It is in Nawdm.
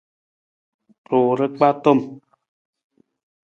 Ruu ra kpaa tom.